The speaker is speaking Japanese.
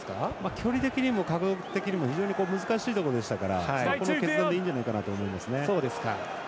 距離的にも角度的にも非常に難しいところでしたからこの決断でいいと思いますね。